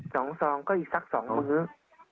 สองสองก็อีกสักสองหมึ้อ